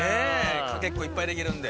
駆けっこいっぱいできるんで。